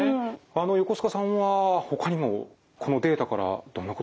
あの横須賀さんはほかにもこのデータからどんなことを注目しますか？